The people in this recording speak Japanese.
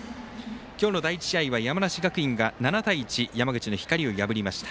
今日の第１試合は山梨学院が７対１、山口の光を破りました。